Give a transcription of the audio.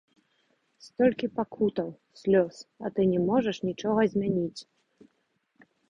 Столькі пакутаў, слёз, а ты не можаш нічога змяніць.